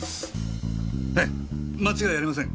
ええ間違いありません